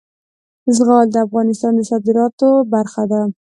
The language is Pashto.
زغال د افغانستان د صادراتو برخه ده.